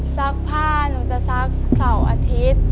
ซักผ้าหนูจะซักเสาร์อาทิตย์